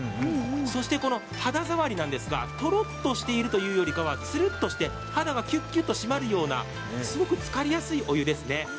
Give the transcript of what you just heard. そして肌触りなんですがとろっとしているというよりはツルッとして肌がキュッキュッと締まるようなすごくつかりやすいお湯ですね。